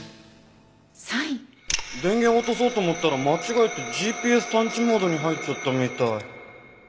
電源を落とそうと思ったら間違えてＧＰＳ探知モードに入っちゃったみたい。